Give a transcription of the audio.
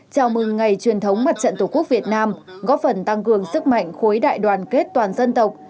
chào mừng ngày truyền thống mặt trận tổ quốc việt nam góp phần tăng cường sức mạnh khối đại đoàn kết toàn dân tộc